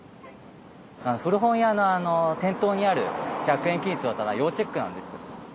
古本屋の店頭にある１００円均一の棚要チェックなんです。